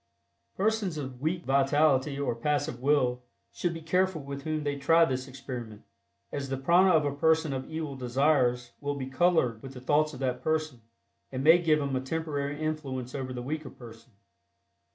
Persons of weak vitality or passive will should be careful with whom they try this experiment, as the prana of a person of evil desires will be colored with the thoughts of that person, and may give him a temporary influence over the weaker person.